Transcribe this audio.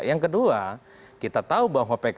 yang kedua kita tahu bahwa pks